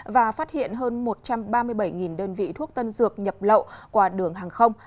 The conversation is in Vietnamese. và phát hiện hơn một trăm ba mươi bảy đơn vị thuốc tân dược nhập lậu qua đường hàng không